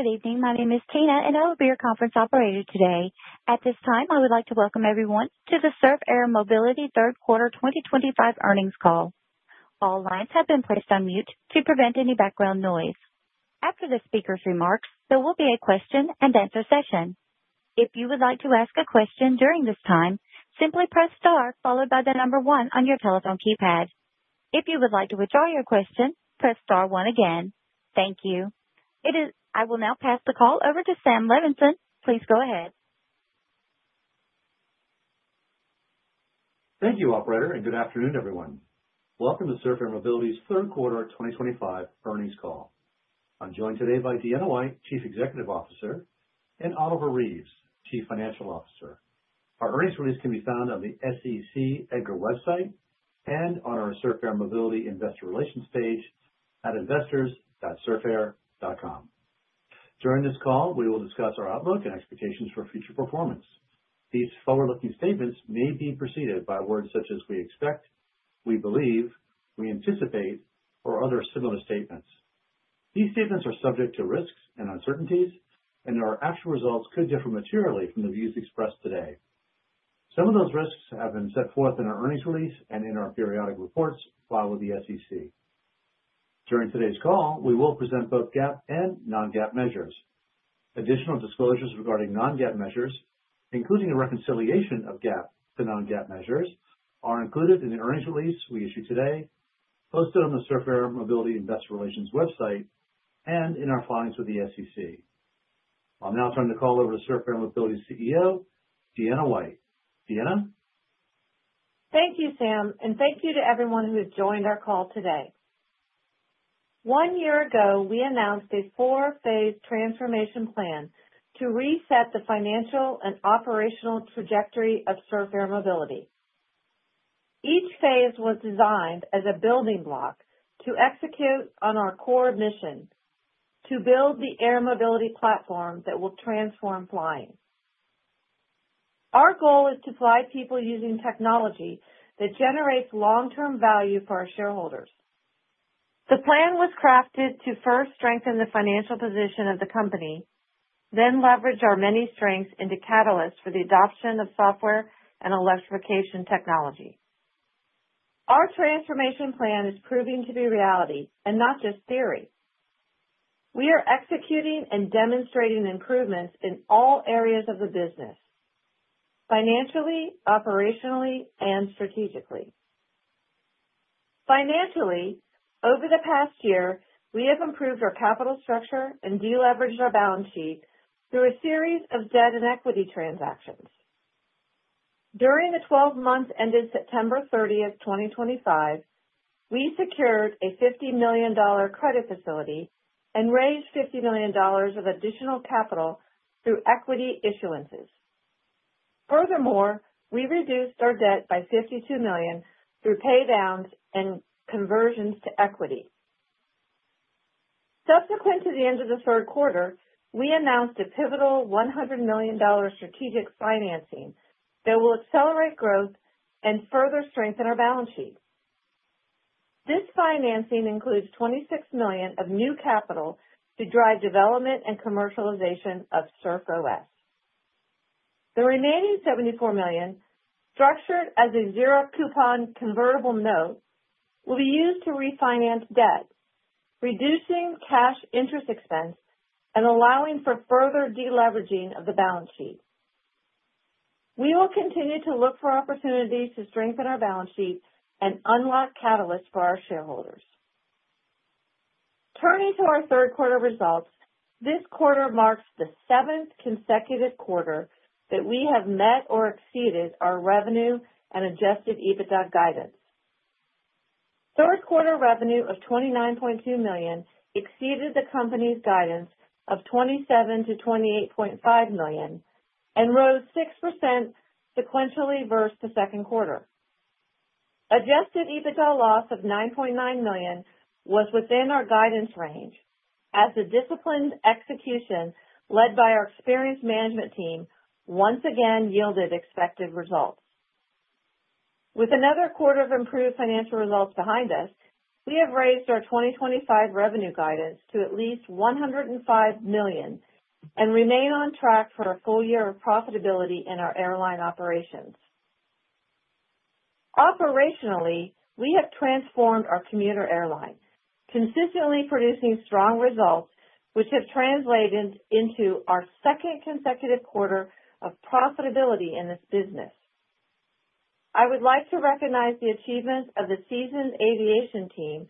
Good evening. My name is Tina, and I will be your conference operator today. At this time, I would like to welcome everyone to the Surf Air Mobility Q3 2025 Earnings Call. All lines have been placed on mute to prevent any background noise. After the speaker's remarks, there will be a Q&A session. If you would like to ask a question during this time, simply press star followed by the number one on your telephone keypad. If you would like to withdraw your question, press star one again. Thank you. I will now pass the call over to Sam Levenson. Please go ahead. Thank you, Operator, and good afternoon, everyone. Welcome to Surf Air Mobility's Q3 2025 Earnings Call. I'm joined today by Deanna White, Chief Executive Officer, and Oliver Reeves, Chief Financial Officer. Our earnings release can be found on the SEC's EDGAR website and on our Surf Air Mobility Investor Relations page at investors.surfair.com. During this call, we will discuss our outlook and expectations for future performance. These forward-looking statements may be preceded by words such as "we expect," "we believe," "we anticipate," or other similar statements. These statements are subject to risks and uncertainties, and our actual results could differ materially from the views expressed today. Some of those risks have been set forth in our earnings release and in our periodic reports filed with the SEC. During today's call, we will present both GAAP and non-GAAP measures. Additional disclosures regarding non-GAAP measures, including the reconciliation of GAAP to non-GAAP measures, are included in the earnings release we issue today, posted on the Surf Air Mobility investor relations website, and in our filings with the SEC. I'll now turn the call over to Surf Air Mobility's CEO, Deanna White. Deanna. Thank you, Sam, and thank you to everyone who has joined our call today. One year ago, we announced a four-phase transformation plan to reset the financial and operational trajectory of Surf Air Mobility. Each phase was designed as a building block to execute on our core mission: to build the Air Mobility platform that will transform flying. Our goal is to fly people using technology that generates long-term value for our shareholders. The plan was crafted to first strengthen the financial position of the company, then leverage our many strengths into catalysts for the adoption of software and electrification technology. Our transformation plan is proving to be reality and not just theory. We are executing and demonstrating improvements in all areas of the business: financially, operationally, and strategically. Financially, over the past year, we have improved our capital structure and deleveraged our balance sheet through a series of debt and equity transactions. During the 12-month ending 30 September 2025, we secured a $50 million credit facility and raised $50 million of additional capital through equity issuances. Furthermore, we reduced our debt by $52 million through paydowns and conversions to equity. Subsequent to the end of the Q3, we announced a pivotal $100 million strategic financing that will accelerate growth and further strengthen our balance sheet. This financing includes $26 million of new capital to drive development and commercialization of SurfOS. The remaining $74 million, structured as a zero-coupon convertible note, will be used to refinance debt, reducing cash interest expense and allowing for further deleveraging of the balance sheet. We will continue to look for opportunities to strengthen our balance sheet and unlock catalysts for our shareholders. Turning to our Q3 results, this quarter marks the seventh consecutive quarter that we have met or exceeded our revenue and adjusted EBITDA guidance. Q3 revenue of $29.2 million exceeded the company's guidance of $27 to 28.5 million and rose 6% sequentially versus the Q2. Adjusted EBITDA loss of $9.9 million was within our guidance range as the disciplined execution led by our experienced management team once again yielded expected results. With another quarter of improved financial results behind us, we have raised our 2025 revenue guidance to at least $105 million and remain on track for a full year of profitability in our airline operations. Operationally, we have transformed our commuter airline, consistently producing strong results which have translated into our second consecutive quarter of profitability in this business. I would like to recognize the achievements of the seasoned aviation team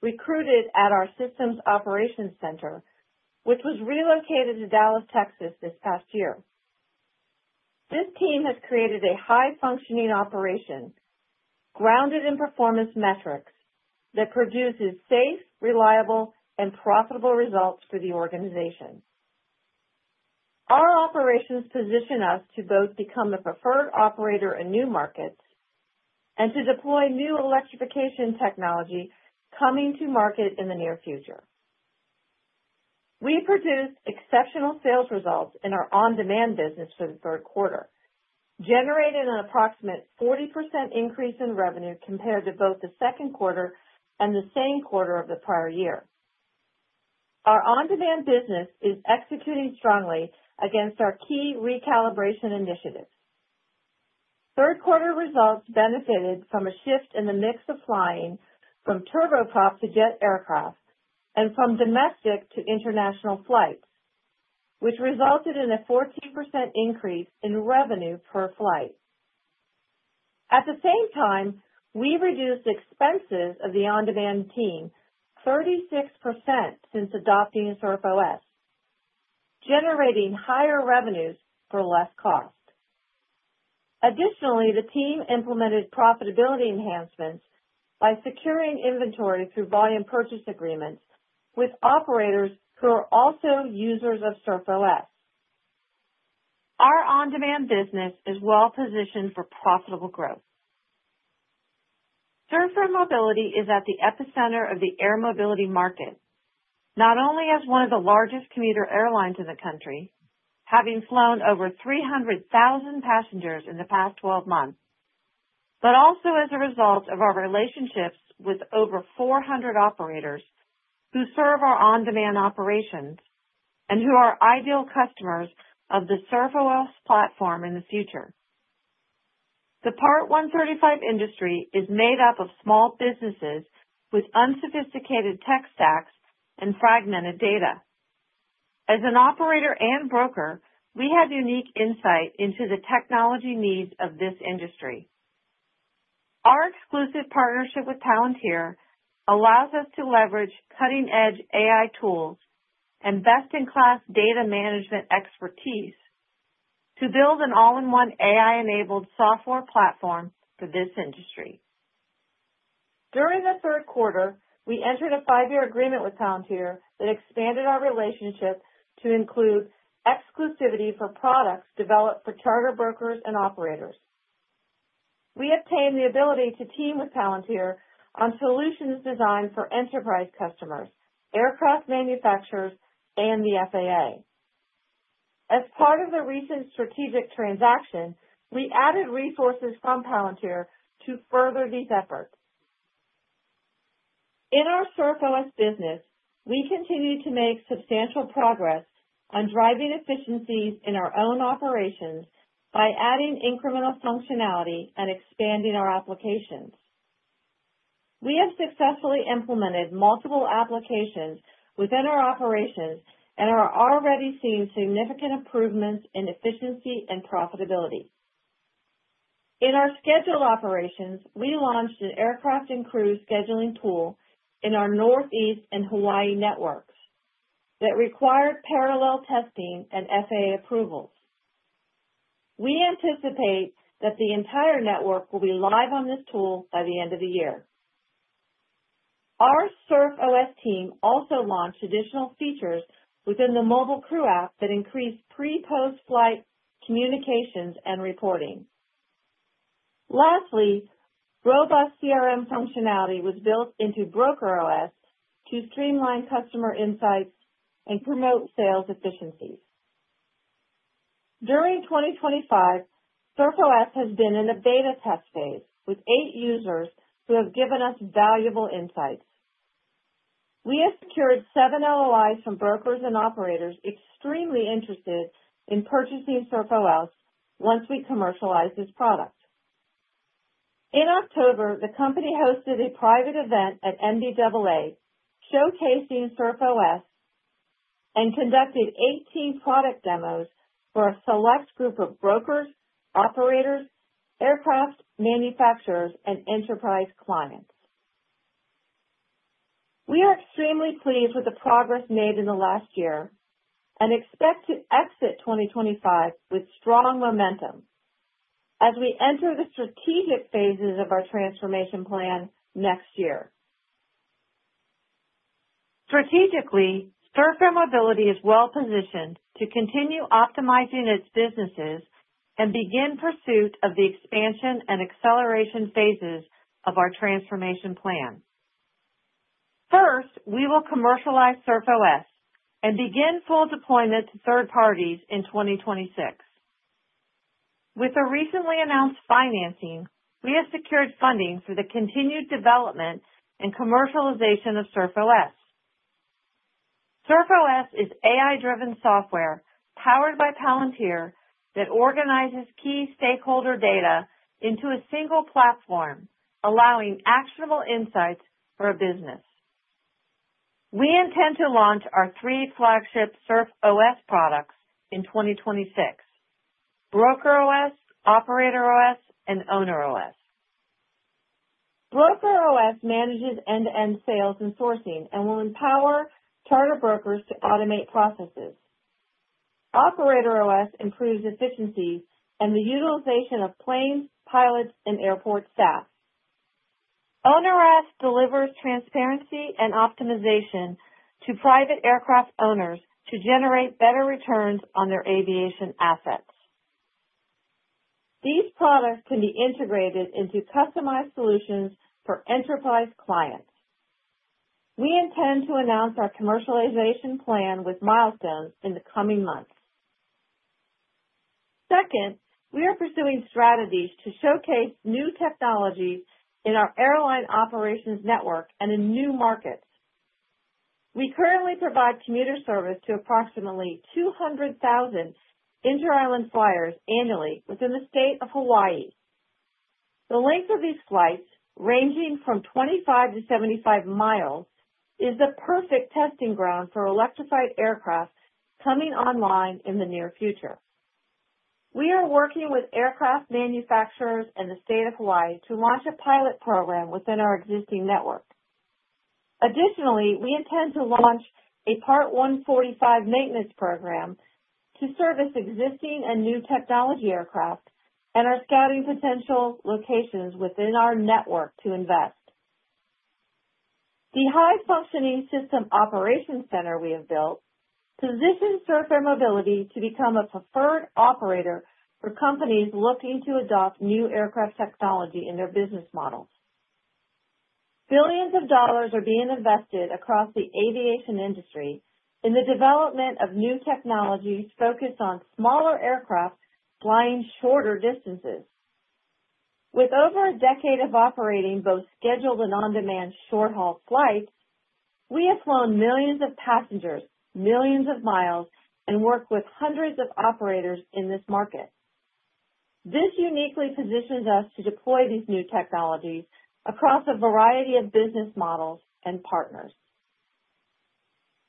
recruited at our Systems Operations Center, which was relocated to Dallas, Texas, this past year. This team has created a high-functioning operation grounded in performance metrics that produces safe, reliable, and profitable results for the organization. Our operations position us to both become a preferred operator in new markets and to deploy new electrification technology coming to market in the near future. We produced exceptional sales results in our on-demand business for the Q3, generating an approximate 40% increase in revenue compared to both the Q2 and the same quarter of the prior year. Our on-demand business is executing strongly against our key recalibration initiatives. Q3 results benefited from a shift in the mix of flying from turboprop to jet aircraft and from domestic to international flights, which resulted in a 14% increase in revenue per flight. At the same time, we reduced expenses of the on-demand team 36% since adopting SurfOS, generating higher revenues for less cost. Additionally, the team implemented profitability enhancements by securing inventory through volume purchase agreements with operators who are also users of SurfOS. Our on-demand business is well-positioned for profitable growth. Surf Air Mobility is at the epicenter of the Air Mobility market, not only as one of the largest commuter airlines in the country, having flown over 300,000 passengers in the past 12 months, but also as a result of our relationships with over 400 operators who serve our on-demand operations and who are ideal customers of the SurfOS platform in the future. The Part 135 industry is made up of small businesses with unsophisticated tech stacks and fragmented data. As an operator and broker, we have unique insight into the technology needs of this industry. Our exclusive partnership with Palantir allows us to leverage cutting-edge AI tools and best-in-class data management expertise to build an all-in-one AI-enabled software platform for this industry. During the Q3, we entered a five-year agreement with Palantir that expanded our relationship to include exclusivity for products developed for charter brokers and operators. We obtained the ability to team with Palantir on solutions designed for enterprise customers, aircraft manufacturers, and the FAA. As part of the recent strategic transaction, we added resources from Palantir to further these efforts. In our SurfOS business, we continue to make substantial progress on driving efficiencies in our own operations by adding incremental functionality and expanding our applications. We have successfully implemented multiple applications within our operations and are already seeing significant improvements in efficiency and profitability. In our scheduled operations, we launched an aircraft and crew scheduling tool in our Northeast and Hawaii networks that required parallel testing and FAA approvals. We anticipate that the entire network will be live on this tool by the end of the year. Our SurfOS team also launched additional features within the mobile crew app that increased pre-post flight communications and reporting. Lastly, robust CRM functionality was built into BrokerOS to streamline customer insights and promote sales efficiencies. During 2025, SurfOS has been in a beta test phase with eight users who have given us valuable insights. We have secured seven LOIs from brokers and operators extremely interested in purchasing SurfOS once we commercialize this product. In October, the company hosted a private event at NBAA showcasing SurfOS and conducted 18 product demos for a select group of brokers, operators, aircraft manufacturers, and enterprise clients. We are extremely pleased with the progress made in the last year and expect to exit 2025 with strong momentum as we enter the strategic phases of our transformation plan next year. Strategically, Surf Air Mobility is well-positioned to continue optimizing its businesses and begin pursuit of the expansion and acceleration phases of our transformation plan. First, we will commercialize SurfOS and begin full deployment to third parties in 2026. With the recently announced financing, we have secured funding for the continued development and commercialization of SurfOS. SurfOS is AI-driven software powered by Palantir that organizes key stakeholder data into a single platform, allowing actionable insights for a business. We intend to launch our three flagship SurfOS products in 2026: BrokerOS, OperatorOS, and OwnerOS. BrokerOS manages end-to-end sales and sourcing and will empower charter brokers to automate processes. OperatorOS improves efficiencies and the utilization of planes, pilots, and airport staff. OwnerOS delivers transparency and optimization to private aircraft owners to generate better returns on their aviation assets. These products can be integrated into customized solutions for enterprise clients. We intend to announce our commercialization plan with milestones in the coming months. Second, we are pursuing strategies to showcase new technologies in our airline operations network and in new markets. We currently provide commuter service to approximately 200,000 interisland flyers annually within the state of Hawaii. The length of these flights, ranging from 25 to 75 miles, is the perfect testing ground for electrified aircraft coming online in the near future. We are working with aircraft manufacturers and the state of Hawaii to launch a pilot program within our existing network. Additionally, we intend to launch a Part 145 maintenance program to service existing and new technology aircraft, and we're scouting potential locations within our network to invest. The high-functioning System Operations Center we have built positions Surf Air Mobility to become a preferred operator for companies looking to adopt new aircraft technology in their business models. Billions of dollars are being invested across the aviation industry in the development of new technologies focused on smaller aircraft flying shorter distances. With over a decade of operating both scheduled and on-demand short-haul flights, we have flown millions of passengers, millions of miles, and worked with hundreds of operators in this market. This uniquely positions us to deploy these new technologies across a variety of business models and partners.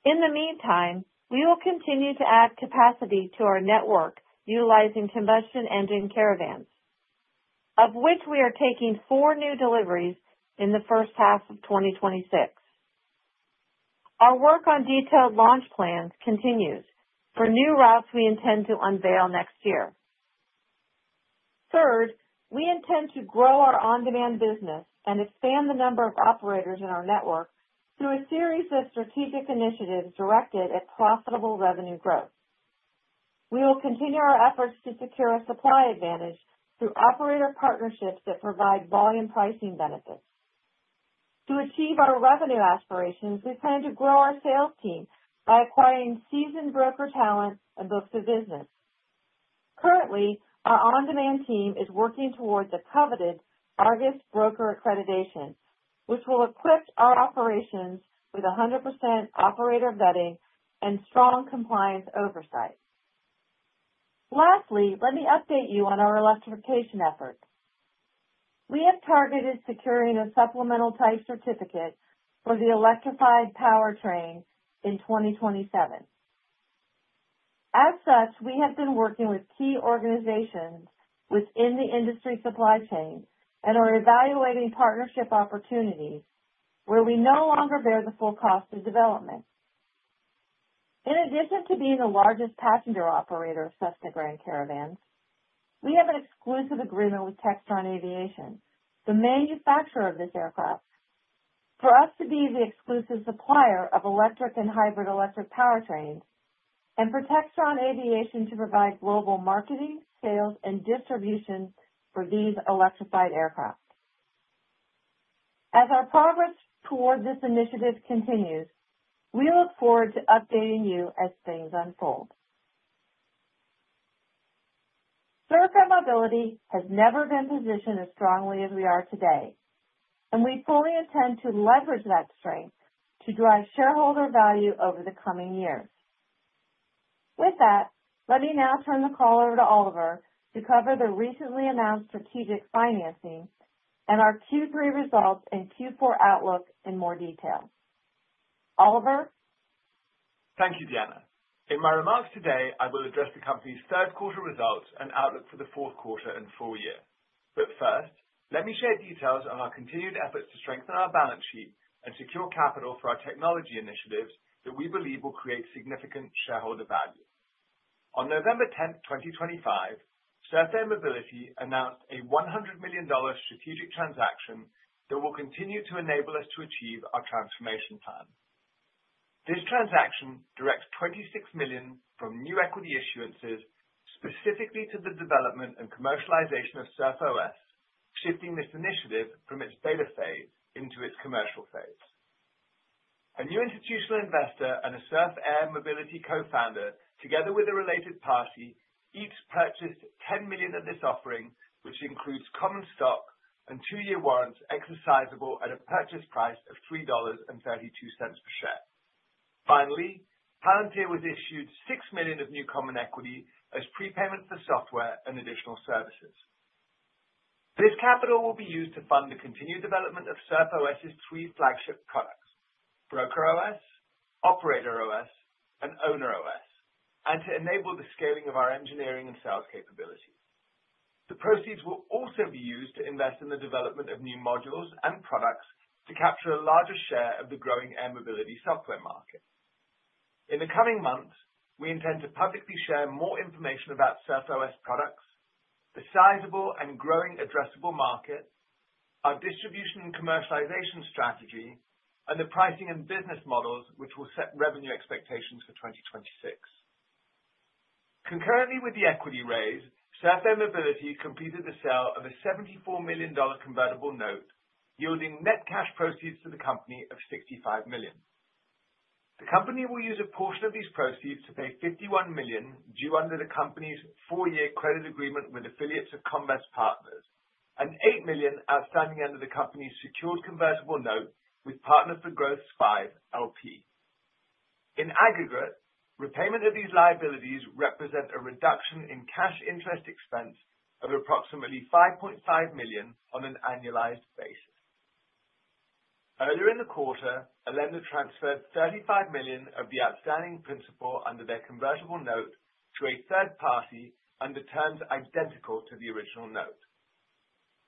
In the meantime, we will continue to add capacity to our network utilizing combustion engine Caravans, of which we are taking four new deliveries in the first half of 2026. Our work on detailed launch plans continues for new routes we intend to unveil next year. Third, we intend to grow our on-demand business and expand the number of operators in our network through a series of strategic initiatives directed at profitable revenue growth. We will continue our efforts to secure a supply advantage through operator partnerships that provide volume pricing benefits. To achieve our revenue aspirations, we plan to grow our sales team by acquiring seasoned broker talent and books of business. Currently, our on-demand team is working towards a coveted ARGUS broker accreditation, which will equip our operations with 100% operator vetting and strong compliance oversight. Lastly, let me update you on our electrification efforts. We have targeted securing a supplemental type certificate for the electrified powertrain in 2027. As such, we have been working with key organizations within the industry supply chain and are evaluating partnership opportunities where we no longer bear the full cost of development. In addition to being the largest passenger operator of Cessna Grand Caravan, we have an exclusive agreement with Textron Aviation, the manufacturer of this aircraft, for us to be the exclusive supplier of electric and hybrid electric powertrains and for Textron Aviation to provide global marketing, sales, and distribution for these electrified aircraft. As our progress towards this initiative continues, we look forward to updating you as things unfold. Surf Air Mobility has never been positioned as strongly as we are today, and we fully intend to leverage that strength to drive shareholder value over the coming years. With that, let me now turn the call over to Oliver to cover the recently announced strategic financing and our Q3 results and Q4 outlook in more detail. Oliver. Thank you, Deanna. In my remarks today, I will address the company's Q3 results and outlook for the Q4 and full year. But first, let me share details on our continued efforts to strengthen our balance sheet and secure capital for our technology initiatives that we believe will create significant shareholder value. On 10 November 2025, Surf Air Mobility announced a $100 million strategic transaction that will continue to enable us to achieve our transformation plan. This transaction directs $26 million from new equity issuances specifically to the development and commercialization of SurfOS, shifting this initiative from its beta phase into its commercial phase. A new institutional investor and a Surf Air Mobility co-founder, together with a related party, each purchased $10 million of this offering, which includes common stock and two-year warrants exercisable at a purchase price of $3.32 per share. Finally, Palantir was issued $6 million of new common equity as prepayment for software and additional services. This capital will be used to fund the continued development of SurfOS's three flagship products: BrokerOS, OperatorOS, and OwnerOS, and to enable the scaling of our engineering and sales capabilities. The proceeds will also be used to invest in the development of new modules and products to capture a larger share of the growing Air Mobility software market. In the coming months, we intend to publicly share more information about SurfOS products, the sizable and growing addressable market, our distribution and commercialization strategy, and the pricing and business models which will set revenue expectations for 2026. Concurrently with the equity raise, Surf Air Mobility completed the sale of a $74 million convertible note, yielding net cash proceeds to the company of $65 million. The company will use a portion of these proceeds to pay $51 million due under the company's four-year credit agreement with affiliates of Comvest Partners and $8 million outstanding under the company's secured convertible note with Partners for Growth SPV LP. In aggregate, repayment of these liabilities represents a reduction in cash interest expense of approximately $5.5 million on an annualized basis. Earlier in the quarter, a lender transferred $35 million of the outstanding principal under their convertible note to a third party under terms identical to the original note.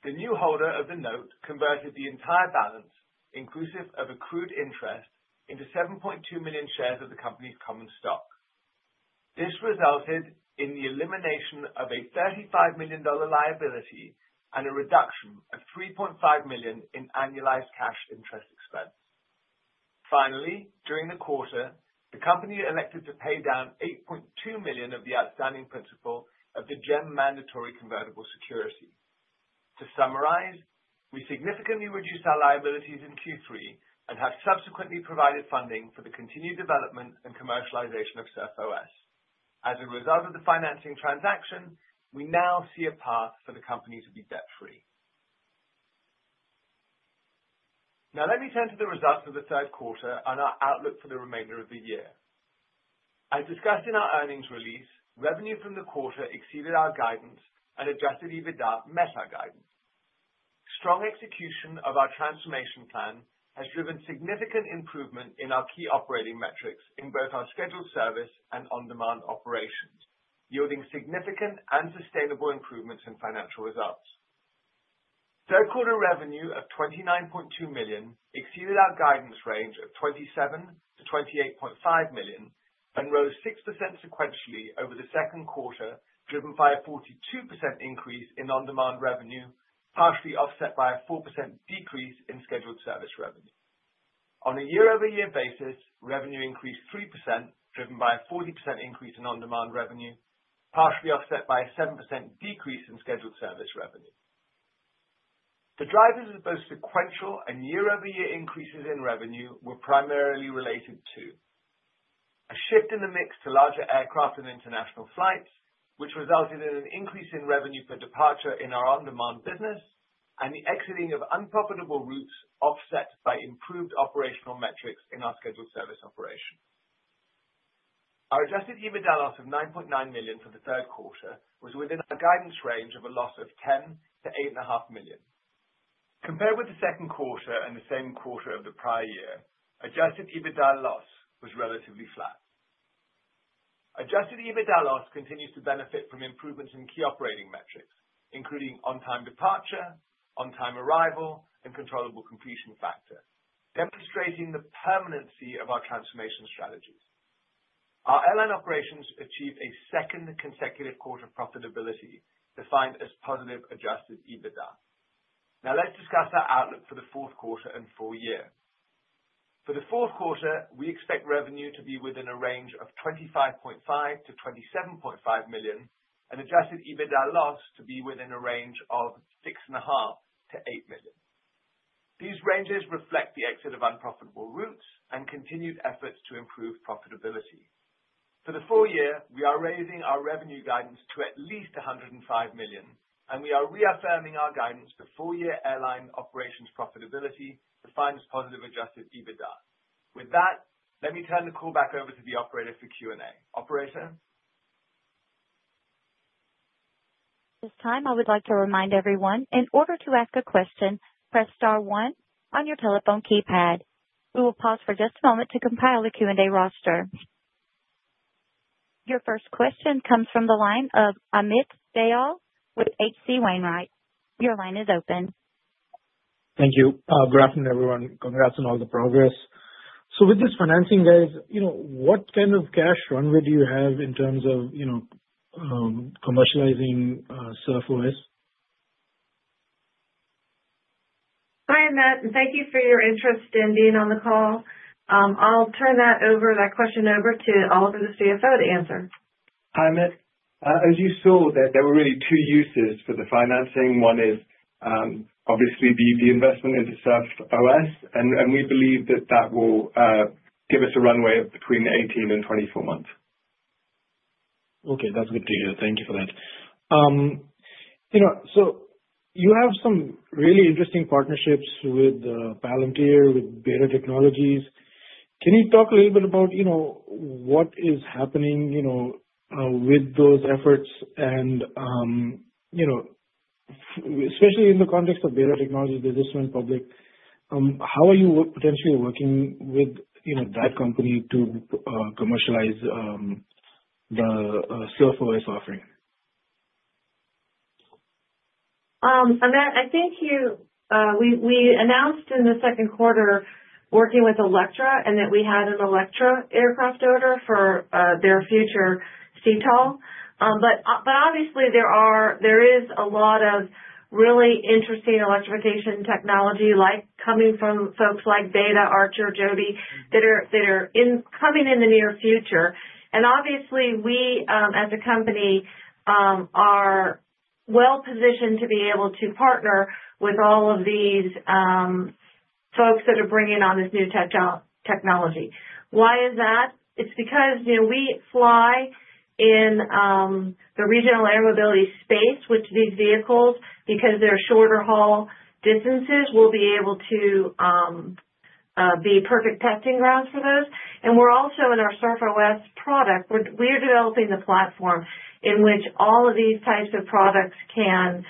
The new holder of the note converted the entire balance, inclusive of accrued interest, into 7.2 million shares of the company's common stock. This resulted in the elimination of a $35 million liability and a reduction of $3.5 million in annualized cash interest expense. Finally, during the quarter, the company elected to pay down $8.2 million of the outstanding principal of the GEM mandatory convertible security. To summarize, we significantly reduced our liabilities in Q3 and have subsequently provided funding for the continued development and commercialization of SurfOS. As a result of the financing transaction, we now see a path for the company to be debt-free. Now, let me turn to the results of the Q3 and our outlook for the remainder of the year. As discussed in our earnings release, revenue from the quarter exceeded our guidance and Adjusted EBITDA met our guidance. Strong execution of our transformation plan has driven significant improvement in our key operating metrics in both our scheduled service and on-demand operations, yielding significant and sustainable improvements in financial results. Q3 revenue of $29.2 million exceeded our guidance range of $27 to 28.5 million and rose 6% sequentially over the Q2, driven by a 42% increase in on-demand revenue, partially offset by a 4% decrease in scheduled service revenue. On a year-over-year basis, revenue increased 3%, driven by a 40% increase in on-demand revenue, partially offset by a 7% decrease in scheduled service revenue. The drivers of both sequential and year-over-year increases in revenue were primarily related to a shift in the mix to larger aircraft and international flights, which resulted in an increase in revenue per departure in our on-demand business and the exiting of unprofitable routes offset by improved operational metrics in our scheduled service operation. Our Adjusted EBITDA loss of $9.9 million for the Q3 was within our guidance range of a loss of $10 to 8.5 million. Compared with the Q2 and the same quarter of the prior year, Adjusted EBITDA loss was relatively flat. Adjusted EBITDA loss continues to benefit from improvements in key operating metrics, including on-time departure, on-time arrival, and controllable completion factor, demonstrating the permanency of our transformation strategies. Our airline operations achieved a second consecutive quarter of profitability defined as positive Adjusted EBITDA. Now, let's discuss our outlook for the Q4 and full year. For the Q4, we expect revenue to be within a range of $25.5 to 27.5 million and adjusted EBITDA loss to be within a range of $6.5 to 8 million. These ranges reflect the exit of unprofitable routes and continued efforts to improve profitability. For the full year, we are raising our revenue guidance to at least $105 million, and we are reaffirming our guidance for full-year airline operations profitability defined as positive adjusted EBITDA. With that, let me turn the call back over to the operator for Q&A. Operator. This time, I would like to remind everyone, in order to ask a question, press star one on your telephone keypad. We will pause for just a moment to compile the Q&A roster. Your first question comes from the line of Amit Dayal with H.C. Wainwright. Your line is open. Thank you. Good afternoon, everyone. Congrats on all the progress. So with this financing, guys, what kind of cash runway do you have in terms of commercializing SurfOS? Hi, Amit. Thank you for your interest in being on the call. I'll turn that question over to Oliver, the CFO, to answer. Hi, Amit. As you saw, there were really two uses for the financing. One is obviously the investment into SurfOS, and we believe that that will give us a runway of between 18 and 24 months. Okay. That's good to hear. Thank you for that. So you have some really interesting partnerships with Palantir, with Beta Technologies. Can you talk a little bit about what is happening with those efforts? And especially in the context of Beta Technologies, did this run public? How are you potentially working with that company to commercialize the SurfOS offering? Amit, I think we announced in the Q2 working with Electra and that we had an Electra aircraft order for their future STOL. But obviously, there is a lot of really interesting electrification technology coming from folks like Beta, Archer, Joby that are coming in the near future. And obviously, we as a company are well-positioned to be able to partner with all of these folks that are bringing on this new technology. Why is that? It's because we fly in the regional air mobility space with these vehicles because their shorter haul distances will be able to be perfect testing grounds for those. And we're also in our SurfOS product. We are developing the platform in which all of these types of products can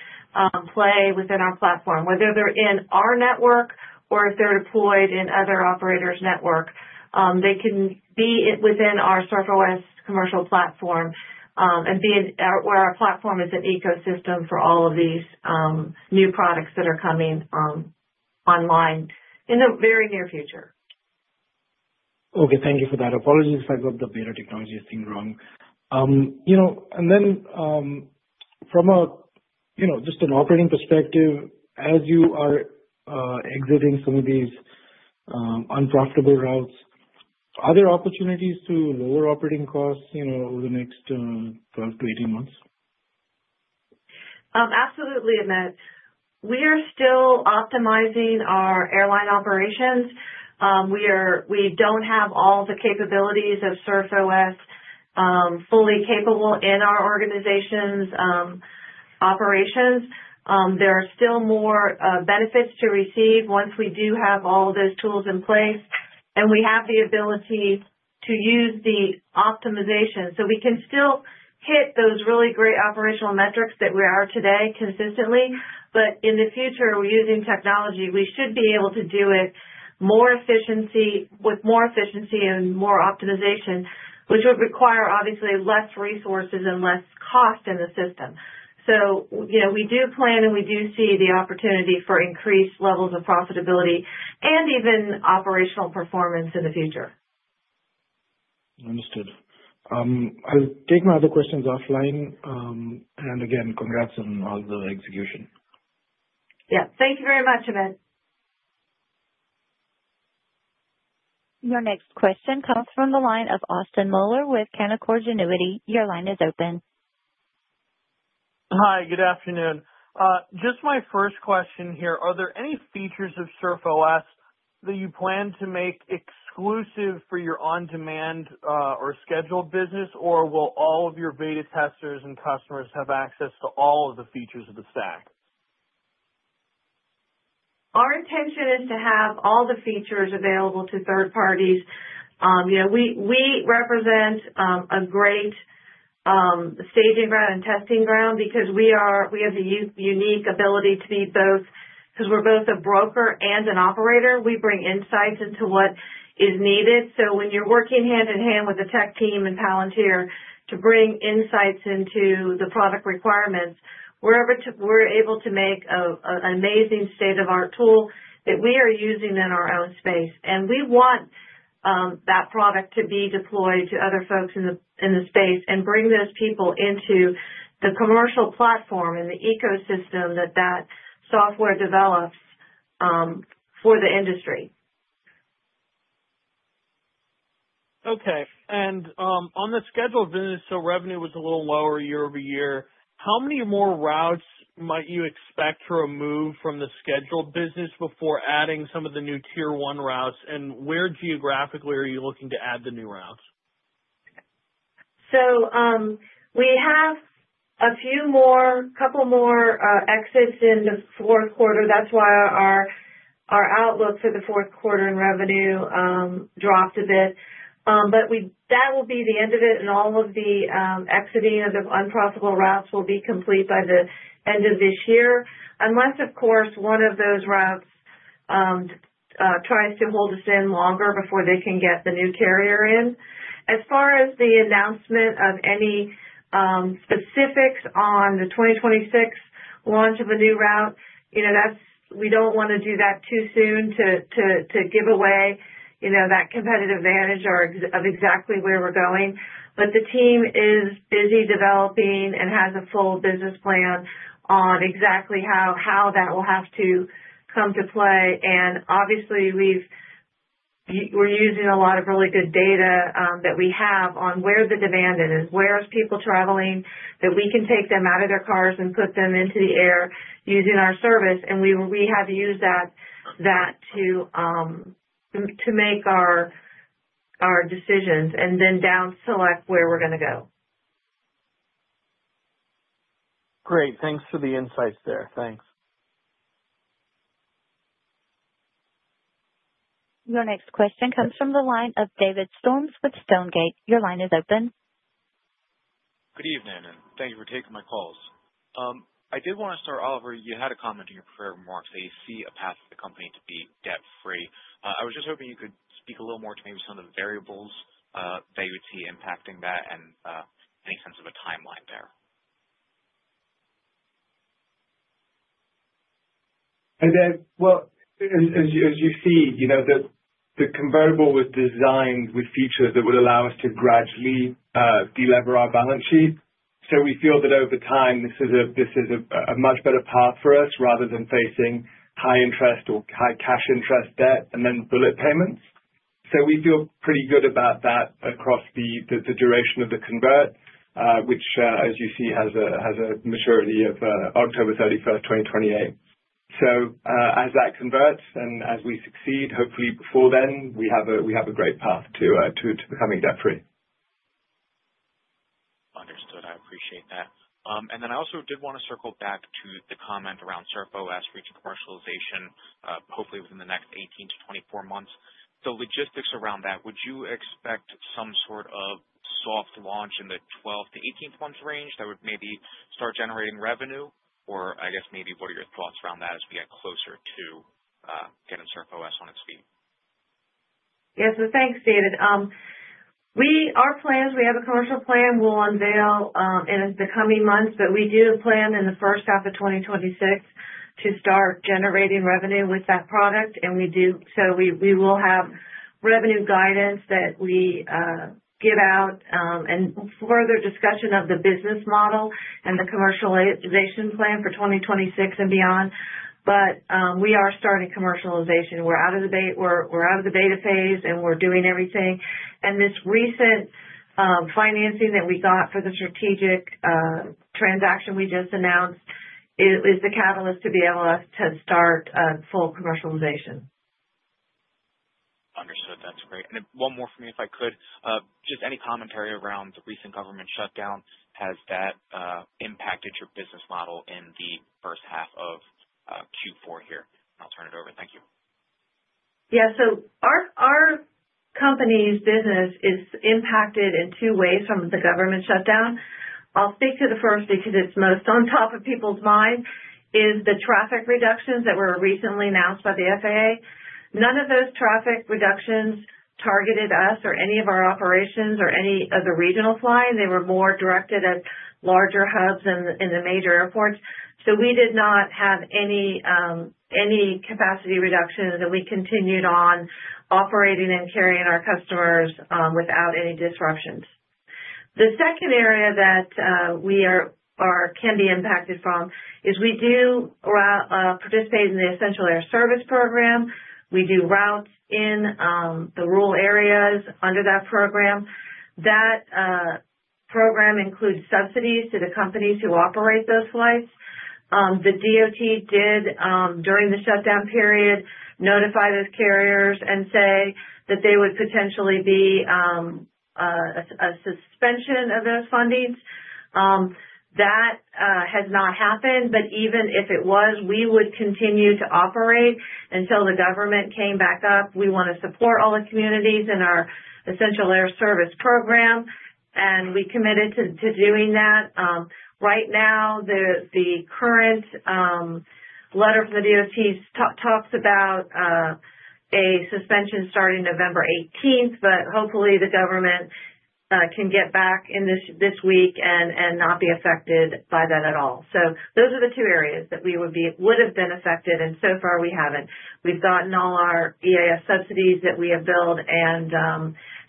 play within our platform. Whether they're in our network or if they're deployed in other operators' network, they can be within our SurfOS commercial platform and be where our platform is an ecosystem for all of these new products that are coming online in the very near future. Okay. Thank you for that. Apologies if I got the Beta Technologies thing wrong. And then from just an operating perspective, as you are exiting some of these unprofitable routes, are there opportunities to lower operating costs over the next 12 to 18 months? Absolutely, Amit. We are still optimizing our airline operations. We don't have all the capabilities of SurfOS fully capable in our organization's operations. There are still more benefits to receive once we do have all of those tools in place, and we have the ability to use the optimization. So we can still hit those really great operational metrics that we are today consistently. But in the future, we're using technology. We should be able to do it with more efficiency and more optimization, which would require, obviously, less resources and less cost in the system. So we do plan, and we do see the opportunity for increased levels of profitability and even operational performance in the future. Understood. I'll take my other questions offline. And again, congrats on all the execution. Yeah. Thank you very much, Amit. Your next question comes from the line of Austin Moeller with Canaccord Genuity. Your line is open. Hi. Good afternoon. Just my first question here. Are there any features of SurfOS that you plan to make exclusive for your on-demand or scheduled business, or will all of your beta testers and customers have access to all of the features of the stack? Our intention is to have all the features available to third parties. We represent a great staging ground and testing ground because we have the unique ability to be both because we're both a broker and an operator. We bring insights into what is needed. So when you're working hand in hand with the tech team and Palantir to bring insights into the product requirements, we're able to make an amazing state-of-the-art tool that we are using in our own space. We want that product to be deployed to other folks in the space and bring those people into the commercial platform and the ecosystem that that software develops for the industry. Okay. On the scheduled business, revenue was a little lower year-over-year. How many more routes might you expect to remove from the scheduled business before adding some of the new tier-one routes? Where geographically are you looking to add the new routes? We have a couple more exits in the Q4. That's why our outlook for the Q4 in revenue dropped a bit. That will be the end of it, and all of the exiting of the unprofitable routes will be complete by the end of this year, unless, of course, one of those routes tries to hold us in longer before they can get the new carrier in. As far as the announcement of any specifics on the 2026 launch of a new route, we don't want to do that too soon to give away that competitive advantage of exactly where we're going. But the team is busy developing and has a full business plan on exactly how that will have to come to play. And obviously, we're using a lot of really good data that we have on where the demand is. Where are people traveling that we can take them out of their cars and put them into the air using our service. And we have used that to make our decisions and then downselect where we're going to go. Great. Thanks for the insights there. Thanks. Your next question comes from the line of David Storms with Stonegate. Your line is open. Good evening, and thank you for taking my calls. I did want to start, Oliver. You had a comment in your prepared remarks that you see a path for the company to be debt-free. I was just hoping you could speak a little more to maybe some of the variables that you would see impacting that and any sense of a timeline there. Well, as you see, the convertible was designed with features that would allow us to gradually delever our balance sheet. So we feel that over time, this is a much better path for us rather than facing high-interest or high-cash interest debt and then bullet payments. So we feel pretty good about that across the duration of the convert, which, as you see, has a maturity of 31 October 2028. So as that converts and as we succeed, hopefully before then, we have a great path to becoming debt-free. Understood. I appreciate that. And then I also did want to circle back to the comment around SurfOS reaching commercialization, hopefully within the next 18 to 24 months. The logistics around that, would you expect some sort of soft launch in the 12 to 18 months range that would maybe start generating revenue? Or I guess maybe what are your thoughts around that as we get closer to getting SurfOS on its feet? Yes. Thanks, David. Our plans, we have a commercial plan we'll unveil in the coming months, but we do plan in the first half of 2026 to start generating revenue with that product. And so we will have revenue guidance that we give out and further discussion of the business model and the commercialization plan for 2026 and beyond. But we are starting commercialization. We're out of the beta phase, and we're doing everything. And this recent financing that we got for the strategic transaction we just announced is the catalyst to be able to start full commercialization. Understood. That's great. And one more from me, if I could. Just any commentary around the recent government shutdown? Has that impacted your business model in the first half of Q4 here? And I'll turn it over. Thank you. Yeah. So our company's business is impacted in two ways from the government shutdown. I'll speak to the first because it's most on top of people's minds, is the traffic reductions that were recently announced by the FAA. None of those traffic reductions targeted us or any of our operations or any of the regional flying. They were more directed at larger hubs in the major airports. So we did not have any capacity reductions, and we continued on operating and carrying our customers without any disruptions. The second area that we can be impacted from is we do participate in the Essential Air Service Program. We do routes in the rural areas under that program. That program includes subsidies to the companies who operate those flights. The DOT did, during the shutdown period, notify those carriers and say that they would potentially be a suspension of those fundings. That has not happened. But even if it was, we would continue to operate until the government came back up. We want to support all the communities in our Essential Air Service Program, and we committed to doing that. Right now, the current letter from the DOT talks about a suspension starting November 18th, but hopefully the government can get back this week and not be affected by that at all. So those are the two areas that we would have been affected, and so far we haven't. We've gotten all our EAS subsidies that we have billed and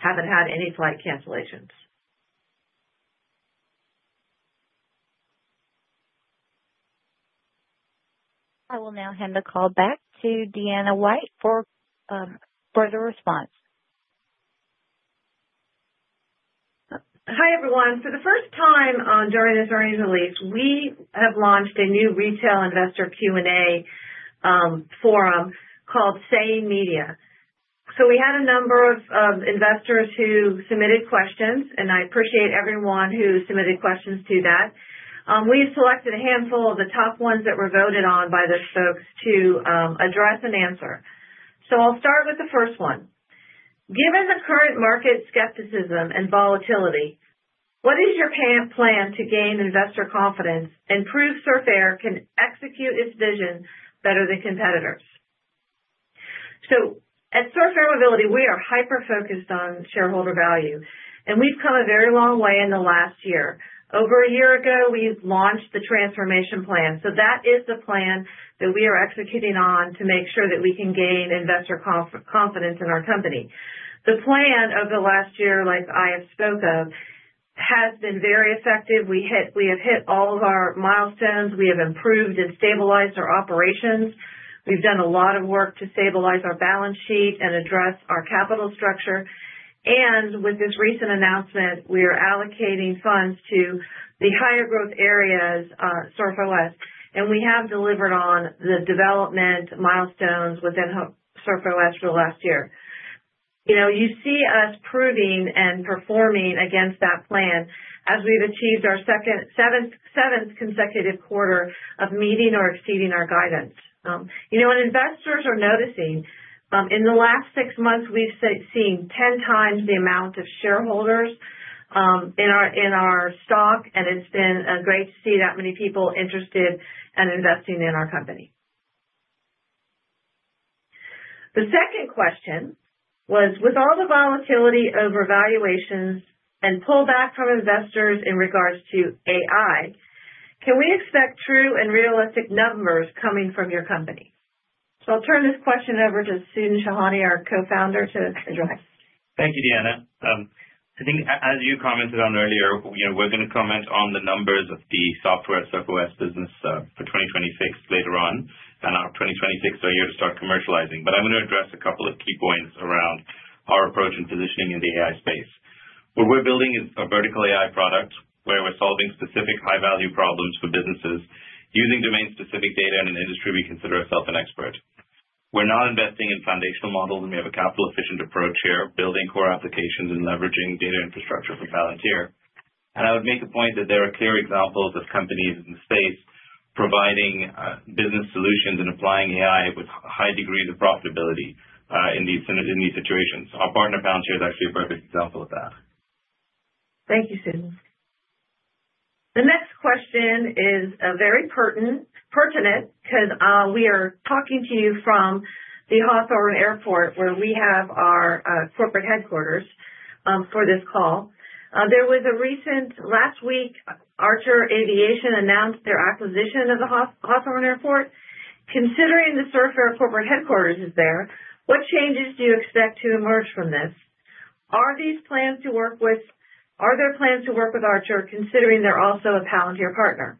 haven't had any flight cancellations. I will now hand the call back to Deanna White for further response. Hi, everyone. For the first time during this earnings release, we have launched a new retail investor Q&A forum called Say Technologies. So we had a number of investors who submitted questions, and I appreciate everyone who submitted questions to that. We have selected a handful of the top ones that were voted on by those folks to address and answer. So I'll start with the first one. Given the current market skepticism and volatility, what is your plan to gain investor confidence and prove Surf Air can execute its vision better than competitors? So at Surf Air Mobility, we are hyper-focused on shareholder value, and we've come a very long way in the last year. Over a year ago, we launched the transformation plan. So that is the plan that we are executing on to make sure that we can gain investor confidence in our company. The plan of the last year, like I have spoke of, has been very effective. We have hit all of our milestones. We have improved and stabilized our operations. We've done a lot of work to stabilize our balance sheet and address our capital structure. And with this recent announcement, we are allocating funds to the higher growth areas, SurfOS. And we have delivered on the development milestones within SurfOS for the last year. You see us proving and performing against that plan as we've achieved our seventh consecutive quarter of meeting or exceeding our guidance. Investors are noticing in the last six months, we've seen 10 times the amount of shareholders in our stock, and it's been great to see that many people interested and investing in our company. The second question was, with all the volatility, overvaluations, and pullback from investors in regards to AI, can we expect true and realistic numbers coming from your company? So I'll turn this question over to Sudhin Shahani, our Co-founder, to address. Thank you, Deanna. I think as you commented on earlier, we're going to comment on the numbers of the software SurfOS business for 2026 later on, and our 2026 is a year to start commercializing. But I'm going to address a couple of key points around our approach and positioning in the AI space. What we're building is a vertical AI product where we're solving specific high-value problems for businesses using domain-specific data in an industry we consider ourselves an expert. We're not investing in foundational models, and we have a capital-efficient approach here, building core applications and leveraging data infrastructure for Palantir, and I would make a point that there are clear examples of companies in the space providing business solutions and applying AI with high degrees of profitability in these situations. Our partner, Palantir, is actually a perfect example of that. Thank you, Sudhin. The next question is very pertinent because we are talking to you from the Hawthorne Airport, where we have our corporate headquarters for this call. There was a recent last week, Archer Aviation announced their acquisition of the Hawthorne Airport. Considering the Surf Air corporate headquarters is there, what changes do you expect to emerge from this? Are there plans to work with? Are there plans to work with Archer, considering they're also a Palantir partner?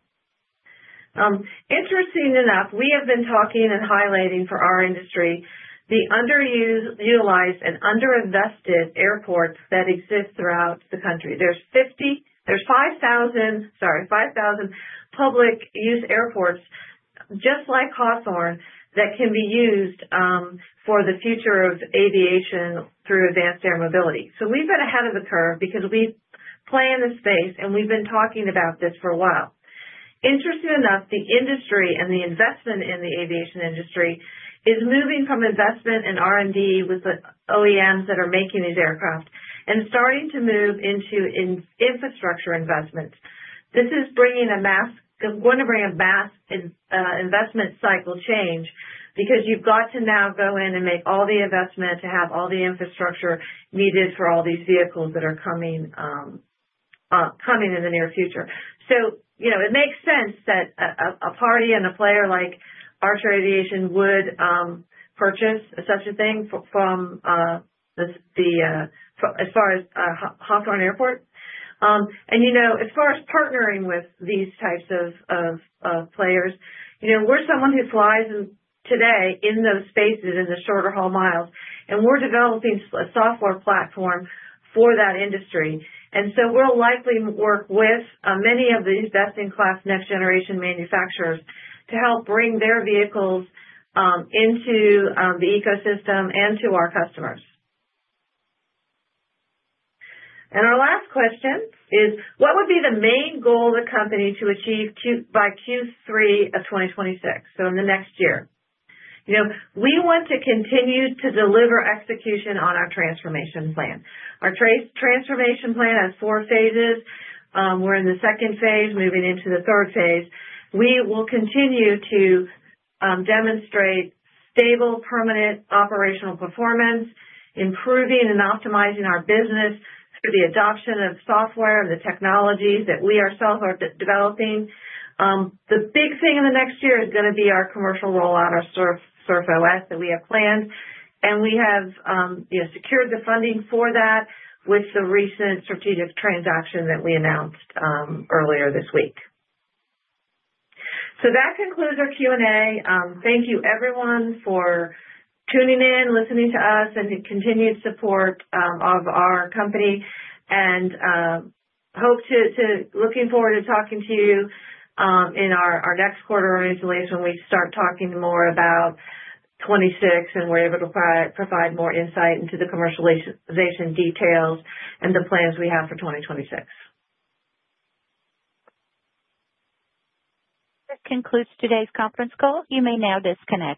Interesting enough, we have been talking and highlighting for our industry the underutilized and underinvested airports that exist throughout the country. There's 5,000, sorry, 5,000 public-use airports, just like Hawthorne, that can be used for the future of aviation through Advanced Air Mobility. So we've been ahead of the curve because we play in this space, and we've been talking about this for a while. Interesting enough, the industry and the investment in the aviation industry is moving from investment and R&D with the OEMs that are making these aircraft and starting to move into infrastructure investments. This is going to bring a mass investment cycle change because you've got to now go in and make all the investment to have all the infrastructure needed for all these vehicles that are coming in the near future. So it makes sense that a party and a player like Archer Aviation would purchase such a thing from the, as far as Hawthorne Airport. And as far as partnering with these types of players, we're someone who flies today in those spaces in the shorter haul miles, and we're developing a software platform for that industry. And so we'll likely work with many of these best-in-class next-generation manufacturers to help bring their vehicles into the ecosystem and to our customers. And our last question is, what would be the main goal of the company to achieve by Q3 of 2026, so in the next year? We want to continue to deliver execution on our transformation plan. Our transformation plan has four phases. We're in the second phase, moving into the third phase. We will continue to demonstrate stable, permanent operational performance, improving and optimizing our business through the adoption of software and the technologies that we ourselves are developing. The big thing in the next year is going to be our commercial rollout, our SurfOS that we have planned. And we have secured the funding for that with the recent strategic transaction that we announced earlier this week. So that concludes our Q&A. Thank you, everyone, for tuning in, listening to us, and continued support of our company. Looking forward to talking to you in our next quarter earnings release when we start talking more about '26 and we're able to provide more insight into the commercialization details and the plans we have for 2026. That concludes today's conference call. You may now disconnect.